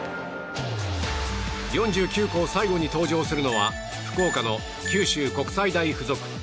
４９校最後に登場するのは福岡の九州国際大付属。